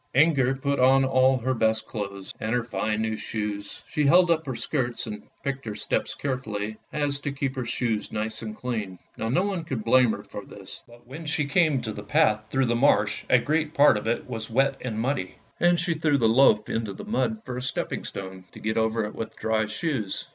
Inger put on all her best clothes, and her fine new shoes; she held up her skirts and picked her steps carefully so as to keep her shoes nice and clean. Now no one could blame her for this; but when she came to the path through the marsh a great part of it was wet and muddy, and she threw the loaf into the mud for a stepping stone, to get over with dry shoes.